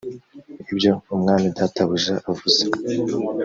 ibyo umwami databuja avuze